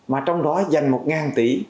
mà trong đó dành một tỷ